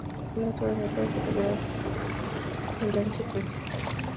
Nutton refers to these authors as the "medical refrigerators of antiquity".